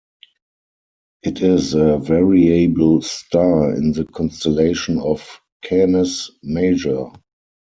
It is a variable star in the constellation of Canis Major.